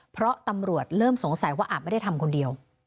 เพราะตำรวจเริ่มสงสัยว่าอาจไม่ได้ทำคนเดียว